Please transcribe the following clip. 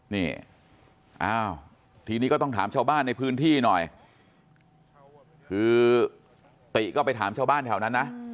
นี่อ้าวทีนี้ก็ต้องถามชาวบ้านในพื้นที่หน่อยคือติก็ไปถามชาวบ้านแถวนั้นนะ